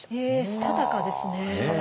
したたかですね。